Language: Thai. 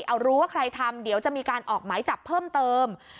เอารู้ว่าใครทำเดี๋ยวจะมีการออกหมายจับเพิ่มเติม